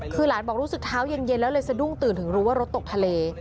คือหลานบอกรู้สึกเท้าเย็นแล้วเลยสะดุ้งตื่นถึงรู้ว่ารถตกทะเล